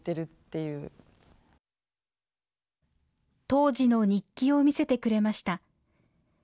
当時の日記を見せてくれました。